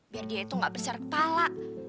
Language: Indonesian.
biar dia itu nggak besar kepala